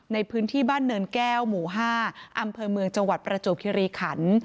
ในพื้นที่บ้านเนินแก้วหมู่๕อำเภอเมืองจังหวัดประจวบคิริขัน